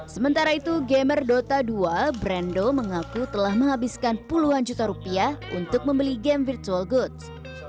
sementara itu gamer dota dua brando mengaku telah menghabiskan puluhan juta rupiah untuk membeli game virtual goods